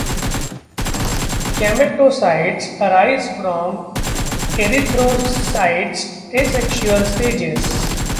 Gametocytes arise from erythrocytic asexual stages.